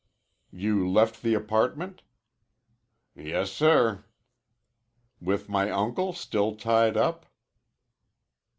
"You left the apartment?" "Yes, sir." "With my uncle still tied up?"